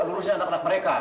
lurusnya anak anak mereka